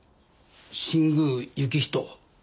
新宮行人。